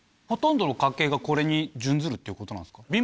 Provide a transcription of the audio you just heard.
ほとんどの家計がこれに準ずるっていうことなんですか？